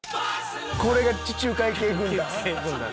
これが地中海系軍団？